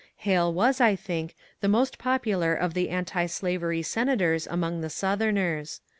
Hale was, I think, the most popular of the anti slavery senators among the Southerners.